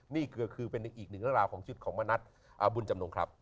นี่ก็คือเป็นอีกหนึ่งของชิดของมะนัดบุญจำนวงครับ